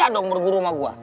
udah dong bergurau sama gua